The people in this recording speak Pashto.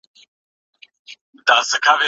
ولي سياستوال د خپلو امکاناتو په اندازه پرواز کوي؟